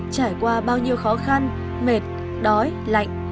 trải qua bao nhiêu khó khăn mệt đói lạnh